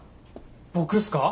僕っすか？